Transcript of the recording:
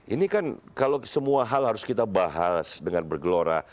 ini kan kalau semua hal harus kita bahas dengan bergelora